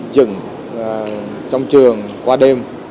dựng trong trường qua đêm